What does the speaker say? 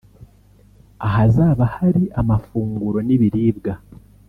ahazaba hari amafunguro n’ibiribwa